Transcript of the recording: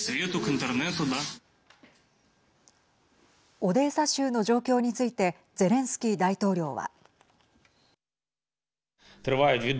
オデーサ州の状況についてゼレンスキー大統領は。